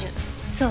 そう。